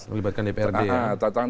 melibatkan dprd ya